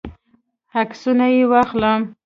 عکسونه یې واخلم.